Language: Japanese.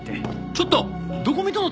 ちょっとどこ見とんの？